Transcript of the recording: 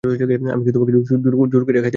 আমি কি তোমাকে জোর করিয়া খাইতে বলিতেছি?